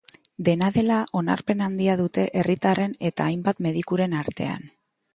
Dena dela, onarpen handia dute herritarren eta hainbat medikuren artean.